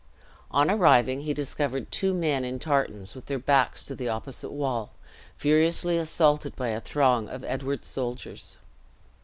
On arriving he discovered two men in tartans, with their backs to the opposite wall, furiously assaulted by a throng of Edward's soldiers.